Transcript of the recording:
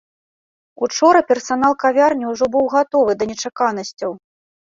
Учора персанал кавярні ўжо быў гатовы да нечаканасцяў.